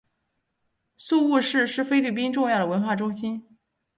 宿雾市是菲律宾重要的文化中心。